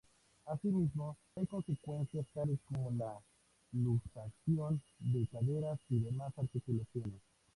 Así mismo, trae consecuencias tales como la luxación de caderas y demás articulaciones.